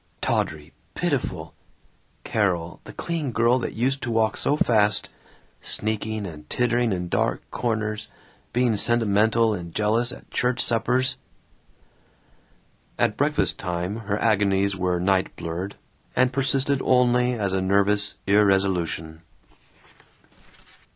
"Tawdry! Pitiful! Carol the clean girl that used to walk so fast! sneaking and tittering in dark corners, being sentimental and jealous at church suppers!" At breakfast time her agonies were night blurred, and persisted only as a nervous irresolution.